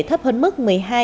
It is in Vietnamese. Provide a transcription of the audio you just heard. thấp hơn mức một mươi hai bốn